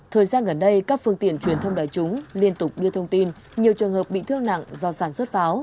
thời gian gần đây các phương tiện truyền thông đại chúng liên tục đưa thông tin nhiều trường hợp bị thương nặng do sản xuất pháo